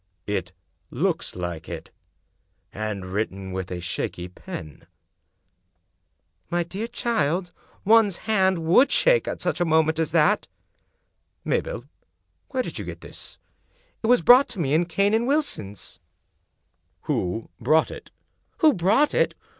" It looks like it — and written with a shaky pen." " My dear child, one's hand would shake at such a mo ment as that." "Mabel, where did you get this?" " It was brought to me in Cane and Wilson's." 293 English Mystery Stories "Who brought it?" "Who brought it?